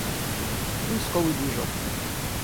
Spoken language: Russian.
Поисковой движок